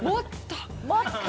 もっと！